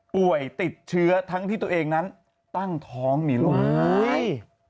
ป่วยติดเชื้อทั้งที่ตัวเองนั้นตั้งท้องมีลูกน้อย